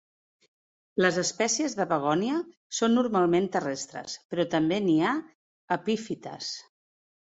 Les espècies de begònia són normalment terrestres però també n'hi ha epífites.